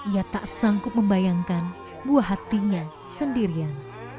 ia tak sanggup membayangkan buah hatinya sendirian